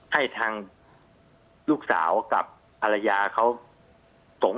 ให้ทางลูกสาวกับภรรยาเขาสงฆ